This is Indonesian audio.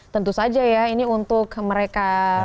tentu saja ya ini untuk mereka